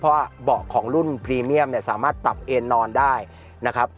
เพราะว่าเบาะของรุ่นพรีเมียมเนี่ยสามารถปรับเอ็นนอนได้นะครับ